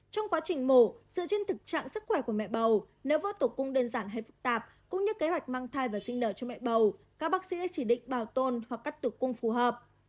trong quá trình mổ dựa trên thực trạng sức khỏe của mẹ bầu nếu vỡ tủ cung đơn giản hay phức tạp cũng như kế hoạch mang thai và sinh nợ cho mẹ bầu các bác sĩ sẽ chỉ định bảo tồn hoặc cắt tủ cung phù hợp